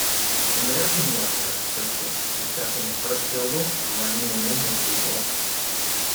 American northerners persist in stressing the first syllable and rhyming the name with 'eagle'.